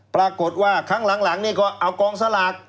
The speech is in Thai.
ปรากฏว่าครั้งหลังนี่ก็เอากองสลาก